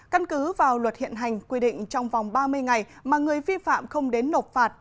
căn cứ vào luật hiện hành quy định trong vòng ba mươi ngày mà người vi phạm không đến nộp phạt